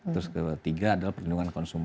terus ketiga adalah perlindungan konsumen